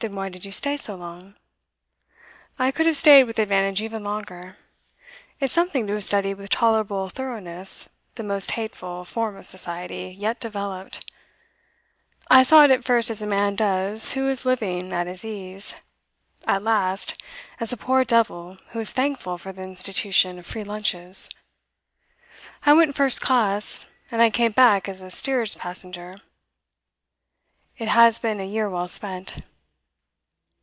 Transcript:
'Then why did you stay so long?' 'I could have stayed with advantage even longer. It's something to have studied with tolerable thoroughness the most hateful form of society yet developed. I saw it at first as a man does who is living at his ease; at last, as a poor devil who is thankful for the institution of free lunches. I went first class, and I came back as a steerage passenger. It has been a year well spent.